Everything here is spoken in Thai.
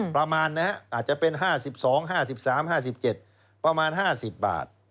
ประมาณนะฮะอาจจะเป็น๕๒๕๓๕๗ประมาณ๕๐บาท